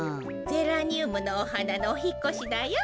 ゼラニュームのおはなのおひっこしだよ。